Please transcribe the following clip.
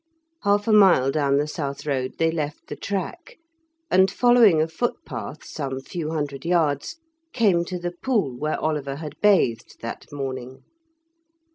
Half a mile down the South Road they left the track, and following a footpath some few hundred yards, came to the pool where Oliver had bathed that morning.